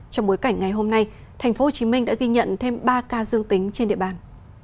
trong bối cảnh ngày hôm nay tp hcm đã ghi nhận thêm ba ca dương tính trên địa bàn